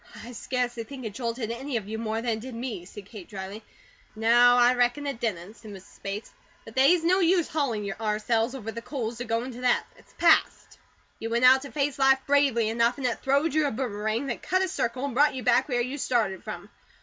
"I scarcely think it jolted any of you more than it did me," said Kate dryly. "No, I reckon it didn't," said Mrs. Bates. "But they's no use hauling ourselves over the coals to go into that. It's past. You went out to face life bravely enough and it throwed you a boomerang that cut a circle and brought you back where you started from.